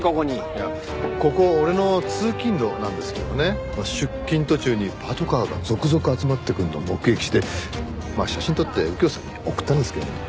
いやここ俺の通勤路なんですけどもね出勤途中にパトカーが続々集まってくるのを目撃してまあ写真撮って右京さんに送ったんですけどね。